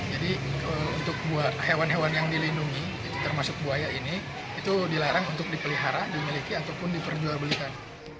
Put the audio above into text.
jadi untuk hewan hewan yang dilindungi termasuk buaya ini itu dilarang untuk dipelihara dimiliki ataupun diperjualbelikan